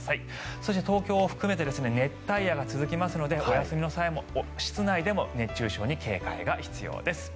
そして、東京を含めて熱帯夜が続きますのでお休みの際も室内でも熱中症に警戒が必要です。